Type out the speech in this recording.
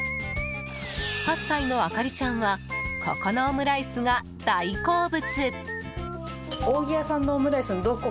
８歳のあかりちゃんはここのオムライスが大好物。